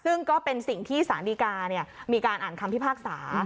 ซึ่งก็เป็นสิ่งที่สารดีกามีการอ่านคำพิพากษา